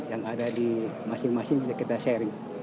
yang ada di masing masing bisa kita sharing